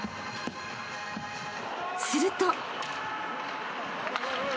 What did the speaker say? ［すると］